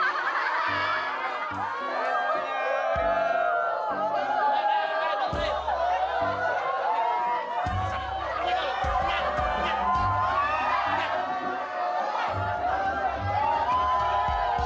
tidak tidak tidak